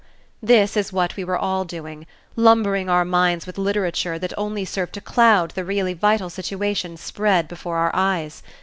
This is what we were all doing, lumbering our minds with literature that only served to cloud the really vital situation spread before our eyes.